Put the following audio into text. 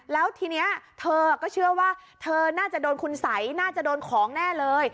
แล้วทีนี้เธอก็เชื่อว่าเธอน่าจะโดนคุณสัยน่าจะโดนของแน่เลย